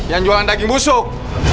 yang jualan daging busuk